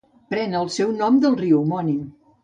Pren el seu nom del riu homònim.